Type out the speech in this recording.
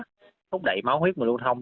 thúc đẩy máu huyết và lưu thông